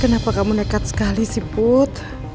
kenapa kamu nekat sekali sih put